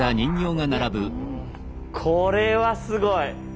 これはすごい！